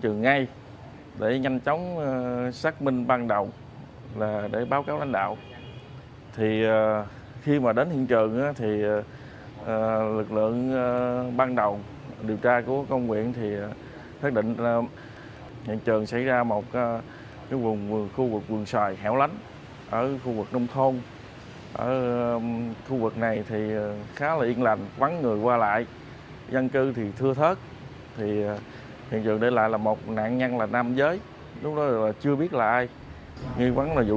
cũng broot phân bến cùng nhưng anh arrowi cũng còn không nói con thằng nào về tình trạng của anh